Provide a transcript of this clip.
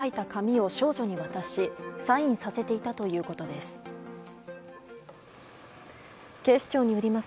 男は奴隷契約書と書いた紙を少女に渡しサインさせていたということです。